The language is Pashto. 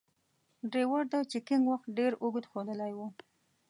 ډریور د چکینګ وخت ډیر اوږد ښودلای و.